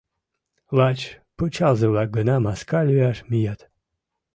Лач пычалзе-влак гына маска лӱяш мият.